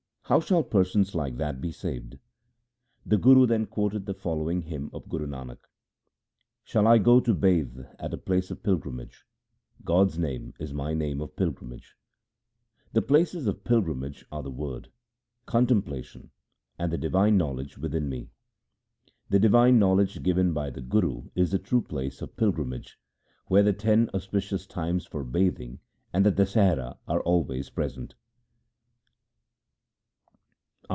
How shall persons like that be saved ?' The Guru then quoted the following hymn of Guru Nanak :— Shall I go to bathe at a place of pilgrimage ? God's name is my place of pilgrimage. My places of pilgrimage are the Word, contemplation, and the divine knowledge within me. The divine knowledge given by the Guru is the true place of pilgrimage where the ten auspicious times for bathing and the Dasahra 2 are always present.